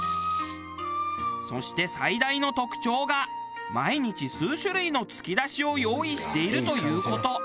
そして最大の特徴が毎日数種類のつきだしを用意しているという事。